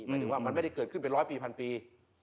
หมายถึงว่ามันไม่ได้เกิดขึ้นเป็นร้อยปีพันปี